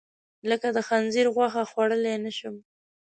لکه د خنځیر غوښه، خوړلی نه شم.